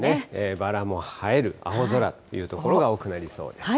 バラも映える青空という所が多くなりそうです。